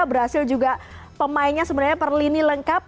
brazil juga pemainnya sebenarnya perlini lengkap